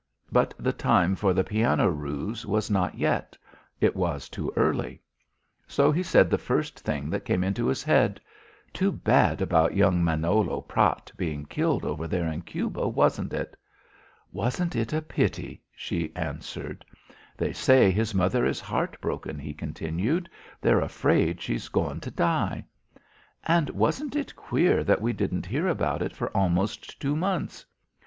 But the time for the piano ruse was not yet; it was too early. So he said the first thing that came into his head: "Too bad about young Manolo Prat being killed over there in Cuba, wasn't it?" "Wasn't it a pity?" she answered. "They say his mother is heart broken," he continued. "They're afraid she's goin' to die." "And wasn't it queer that we didn't hear about it for almost two months?"